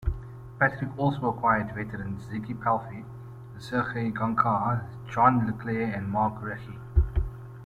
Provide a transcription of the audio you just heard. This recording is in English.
Patrick also acquired veterans Ziggy Palffy, Sergei Gonchar, John LeClair and Mark Recchi.